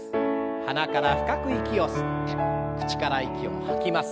鼻から深く息を吸って口から息を吐きます。